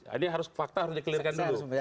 ini harus fakta harus di clearkan dulu